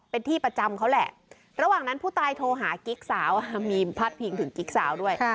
เป็นที่ประจำเขาแหละระหว่างนั้นผู้ตายโทรหากิ๊กสาวมีพาดพิงถึงกิ๊กสาวด้วย